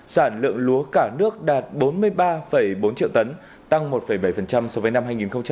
sản lượng lúa cả nước đạt bốn mươi ba bốn triệu tấn tăng một bảy so với năm hai nghìn một mươi chín